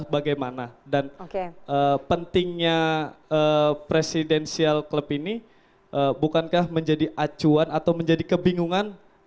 bagaimana dan pentingnya presidensial club ini bukankah menjadi acuan atau menjadi kebingungan